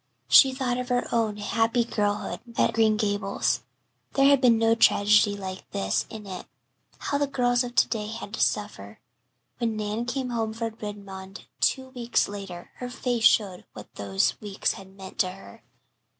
She thought of her own happy girlhood at old Green Gables. There had been no tragedy like this in it. How the girls of to day had to suffer! When Nan came home from Redmond two weeks later her face showed what those weeks had meant to her.